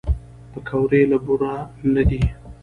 پکورې له بوره نه دي